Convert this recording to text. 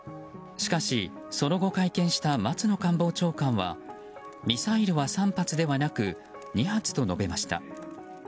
しかし、その後会見した松野官房長官はミサイルは３発ではなく２発と述べました。